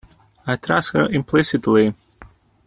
I trust her implicitly.